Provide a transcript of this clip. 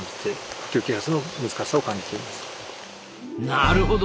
なるほど。